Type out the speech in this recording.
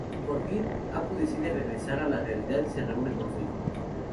Por fin, Apu decide regresar a la realidad y se reúne con su hijo.